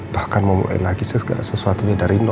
bahkan memulai lagi segera sesuatunya dari nol